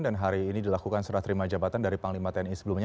dan hari ini dilakukan serah terima jabatan dari panglima tni sebelumnya